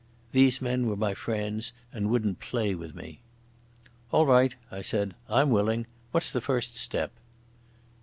These men were my friends and wouldn't play with me. "All right," I said. "I'm willing. What's the first step?"